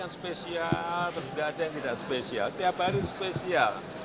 spesial terus ada yang tidak spesial tiap hari spesial